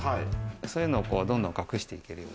そういうのをどんどん隠していける。